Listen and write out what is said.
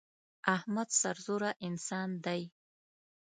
احمد سرزوره انسان دی.